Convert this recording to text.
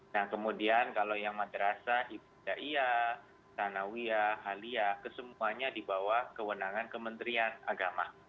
nah kemudian kalau yang madrasa ibu jaya tanawiya halia kesemuanya dibawah kewenangan kementerian agama